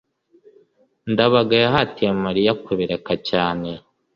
ndabaga yahatiye mariya kubireka cyane